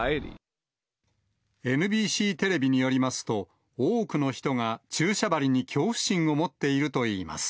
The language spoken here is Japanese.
ＮＢＣテレビによりますと、多くの人が注射針に恐怖心を持っているといいます。